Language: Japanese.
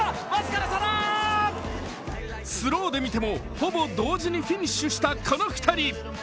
スローで見ても、ほぼ同時にフィニッシュしたこの２人。